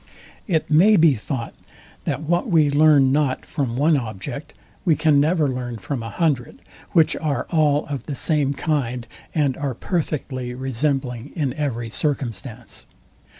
It may be thought, that what we learn not from one object, we can never learn from a hundred, which are all of the same kind, and are perfectly resembling in every circumstance.